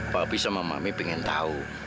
papi sama mami pengen tahu